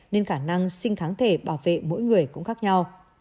nên khả năng sinh tháng thể bảo vệ mỗi người cũng khác nhau